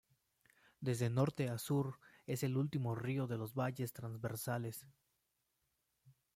Desde norte a sur, es el último río de los valles transversales.